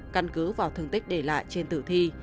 căn cứ vào thương tích để lại trên tử thi